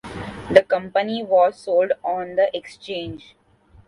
The company was sold on the exchange.